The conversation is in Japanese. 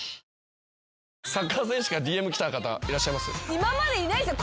今までいないですよ